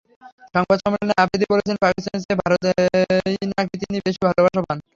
সংবাদ সম্মেলনে আফ্রিদি বলেছিলেন, পাকিস্তানের চেয়ে ভারতেই নাকি তিনি বেশি ভালোবাসা পান।